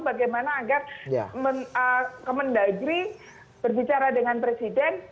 bagaimana agar kemendagri berbicara dengan presiden